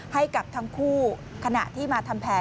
ให้กับทั้งคู่ขณะที่มาทำแผน